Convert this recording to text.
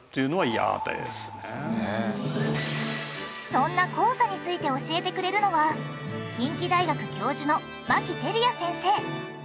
そんな黄砂について教えてくれるのは近畿大学教授の牧輝弥先生。